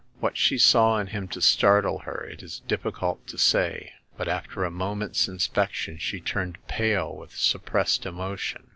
What she saw in him to startle her it is difficult to say ; but after a moment's inspection she turned pale with suppressed emotion.